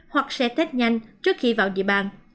hoặc sẽ tết nhanh trước khi vào dịp bàn